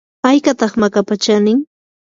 ¿haykataq makapa chanin?